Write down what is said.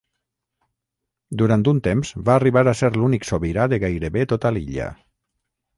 Durant un temps va arribar a ser l'únic sobirà de gairebé tota l'illa.